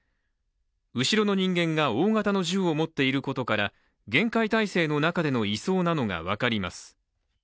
後ろの人間が大型の銃を持っていることから厳戒態勢の中での移送なのが分かります。